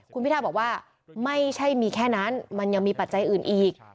คุณพิทาบอกว่าไม่ใช่มีแค่นั้นมันยังมีปัจจัยอื่นอีก